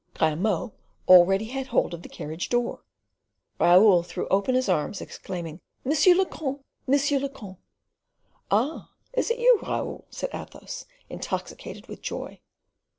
Grimaud already had hold of the carriage door. Raoul threw open his arms, exclaiming, "M. le comte! M. le comte!" "Ah! is it you, Raoul?" said Athos, intoxicated with joy.